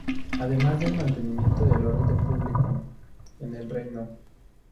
Además del mantenimiento del orden público, en el reino.